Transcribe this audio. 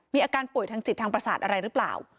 มีอาการป่วยทางจิตทางประสาทอะไรหรือเปล่า